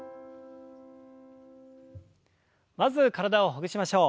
まず体をほぐしましょう。